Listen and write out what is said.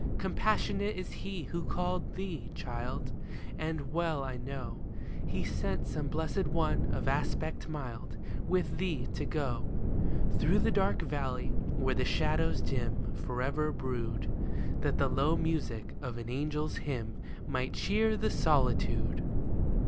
Compassionate is He who called thee, child ; And well I know He sent some Blessed One of aspect mild With thee to go Through the dark valley, where the shadows dim Forever brood, That the low music of an angel's hymn Might cheer the solitude